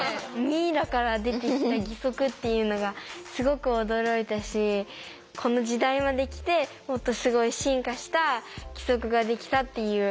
ミイラから出てきた義足っていうのがすごく驚いたしこの時代まで来てもっとすごい進化した義足ができたっていう。